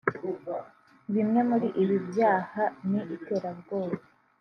Bimwe muri ibi byaha ni iterabwoba